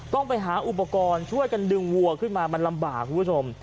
ต้องไปหาอุปกรณ์ช่วยกันดึงวัวขึ้นมามันลำบากคุณผู้ชม